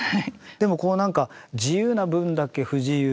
でもこうなんか自由な分だけ不自由。